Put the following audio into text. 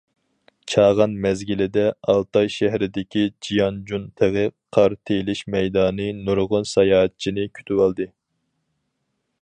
چاغان مەزگىلىدە، ئالتاي شەھىرىدىكى جياڭجۈن تېغى قار تېيىلىش مەيدانى نۇرغۇن ساياھەتچىنى كۈتۈۋالدى.